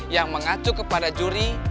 yang mengacu kepada juri